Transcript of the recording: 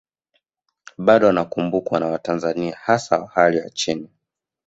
Bado anakumbukwa na watanzania hasa wa hali ya chini